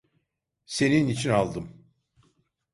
Senin için aldım.